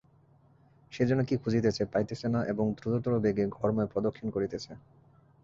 সে যেন কী খুঁজিতেছে, পাইতেছে না এবং দ্রুততর বেগে ঘরময় প্রদক্ষিণ করিতেছে।